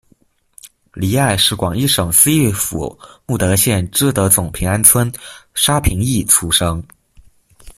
黎艾是广义省思义府慕德县知德总平安村沙平邑出生。